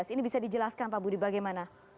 ini bisa dijelaskan pak budi bagaimana